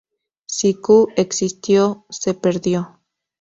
Si Q existió, se perdió.